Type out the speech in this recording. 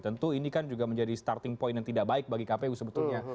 tentu ini kan juga menjadi starting point yang tidak baik bagi kpu sebetulnya